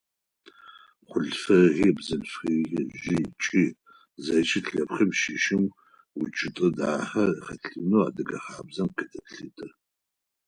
Хъулъфыгъи, бзылъфыгъи, жъи, кӀи – зэкӀэ лъэпкъым щыщым укӀытэ дахэ хэлъынэу адыгэ хабзэм къыделъытэ.